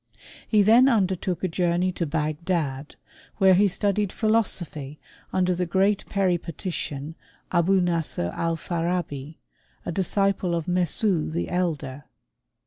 He then undertook a journey to Bagdad, where he studied philosophy under the great Peripatician, Abou Nasr Alfarabi, a disciple of Mesne the elder.